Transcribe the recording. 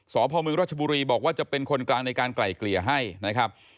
สพมรัชบุรีบอกว่าจะเป็นคนกลางในการไกล่เกลี่ยให้นะครับ